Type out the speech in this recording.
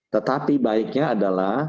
tetapi baiknya adalah